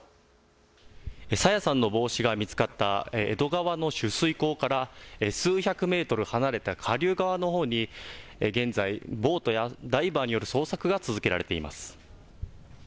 朝芽さんの帽子が見つかった江戸川の取水口から数百メートル離れた下流側のほうに現在、ボートやダイバーによる捜索が続けられています。